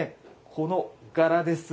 この柄です。